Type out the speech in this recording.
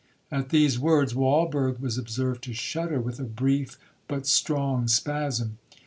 At these words Walberg was observed to shudder with a brief but strong spasm.